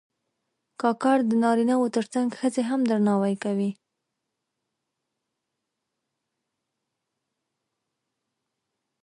کاکړ د نارینه و تر څنګ ښځې هم درناوي کوي.